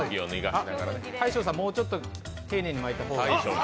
大昇さん、もうちょっと丁寧に巻いた方が。